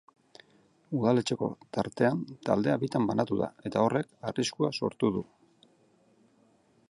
Udaletxeko tartean taldea bitan banatu da eta horrek arriskua sortu du.